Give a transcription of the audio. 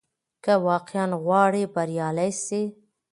که واقعاً غواړې بریالی سې،